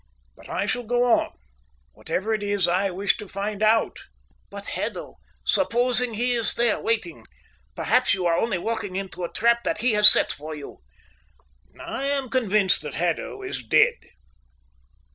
But I shall go on. Whatever it is, I wish to find out." "But Haddo? Supposing he is there, waiting? Perhaps you are only walking into a trap that he has set for you." "I am convinced that Haddo is dead."